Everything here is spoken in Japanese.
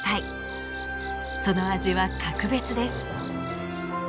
その味は格別です。